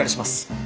はい！